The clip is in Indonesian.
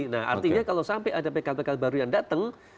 nah artinya kalau sampai ada pkl pkl baru yang datang